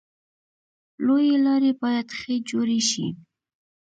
لویې لارې باید ښه جوړې شي.